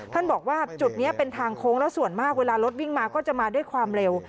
ท่านบอกว่าจุดนี้เป็นทางโค้งแล้วส่วนมากเวลารถวิ่งมาก็จะมาด้วยความเร็ว